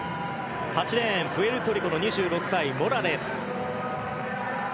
８レーン、プエルトリコの２６歳モラレス。